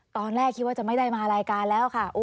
ตอนแรกคิดว่าจะไม่ได้มารายการแล้วค่ะ